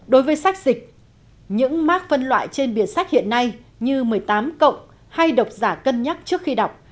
đối với sách dịch những mác phân loại trên biển sách hiện nay như một mươi tám hay đọc giả cân nhắc trước khi đọc